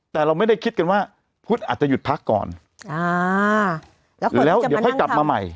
แต่เราไม่ได้คิดกันว่าพุทธอาจจะหยุดพักก่อนอ่าแล้วเดี๋ยวค่อยกลับมาใหม่